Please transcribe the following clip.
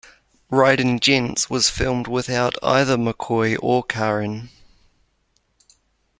"Ridin' Gents" was filmed without either McCoy or Kaaren.